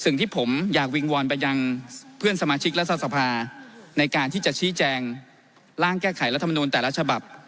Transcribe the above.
ในการที่จะชี้แจงล่างแก้ไขรัฐมนูลแต่ละฉบับ